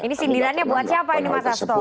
ini sendiriannya buat siapa ini mas astog